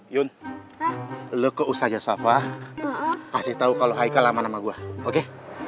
yun lu ke usaha sapa kasih tahu kalau aika lama nama gua oke